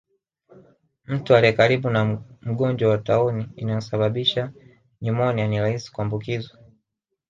Mtu aliyekaribu na mgonjwa wa tauni inayosababisha nyumonia ni rahisi kuambukizwa